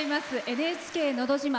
「ＮＨＫのど自慢」。